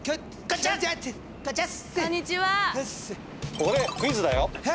ここでクイズだよ！へ？